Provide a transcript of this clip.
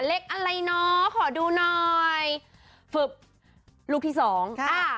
เล็กอะไรเนาะขอดูหน่อยฝึกลูกที่สองอ่า